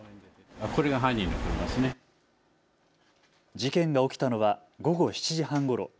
事件が起きたのは午後７時半ごろ。